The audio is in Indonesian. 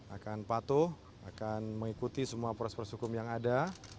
akan patuh akan mengikuti semua proses proses hukum yang ada